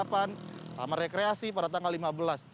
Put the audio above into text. kamar rekreasi pada tanggal lima belas